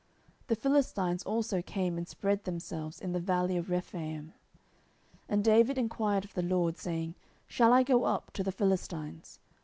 10:005:018 The Philistines also came and spread themselves in the valley of Rephaim. 10:005:019 And David enquired of the LORD, saying, Shall I go up to the Philistines?